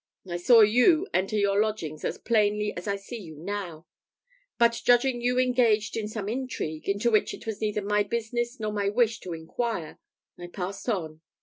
I saw you enter your lodgings as plainly as I see you now; but judging you engaged in some intrigue, into which it was neither my business nor my wish to inquire, I passed on.